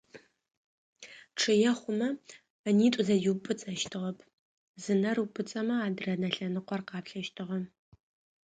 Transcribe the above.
Чъые хъумэ ынитӏу зэдиупӏыцӏэщтыгъэп, зы нэр ыупӏыцӏэми адрэ нэ лъэныкъор къаплъэщтыгъэ.